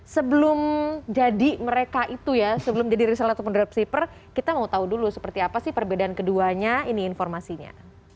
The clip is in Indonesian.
sebelum jadi mereka itu ya sebelum jadi result atau dropshipper kita mau tahu dulu seperti apa sih perbedaan keduanya ini informasinya